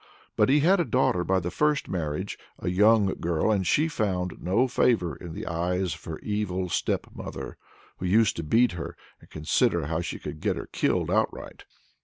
But he had a daughter by the first marriage, a young girl, and she found no favor in the eyes of her evil stepmother, who used to beat her, and consider how she could get her killed outright.